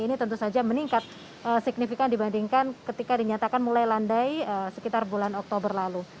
ini tentu saja meningkat signifikan dibandingkan ketika dinyatakan mulai landai sekitar bulan oktober lalu